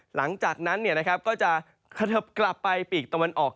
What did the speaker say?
หลังจากนั้นก็จะกลับไปปีกตะวันออก